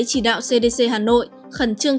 chỉ đạo cdc hà nội khẩn trương